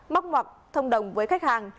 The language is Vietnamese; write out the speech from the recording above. móc ngọc thông đồng với khách hàng